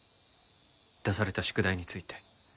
出された宿題について。